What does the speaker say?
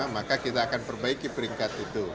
maka kita akan perbaiki peringkat itu